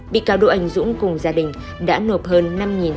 bị cáo đỗ anh dũng cùng gia đình đã nộp hơn